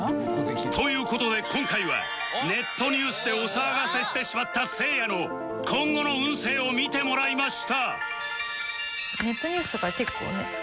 という事で今回はネットニュースでお騒がせしてしまったせいやの今後の運勢を見てもらいました